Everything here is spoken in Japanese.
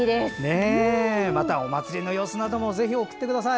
またお祭りの様子などもぜひ送ってください。